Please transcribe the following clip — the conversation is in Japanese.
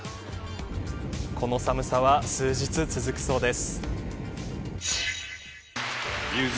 この寒さは、数日続くそうです。